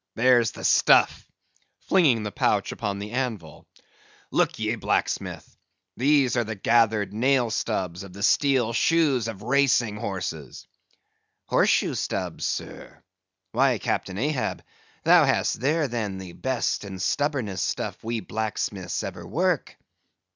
There's the stuff," flinging the pouch upon the anvil. "Look ye, blacksmith, these are the gathered nail stubbs of the steel shoes of racing horses." "Horse shoe stubbs, sir? Why, Captain Ahab, thou hast here, then, the best and stubbornest stuff we blacksmiths ever work."